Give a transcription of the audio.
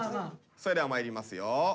それではまいりますよ。